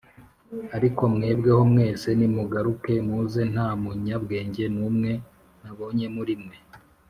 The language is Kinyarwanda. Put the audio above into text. ariko mwebweho mwese nimugaruke muze, nta munyabwenge n’umwe nabona muri mwe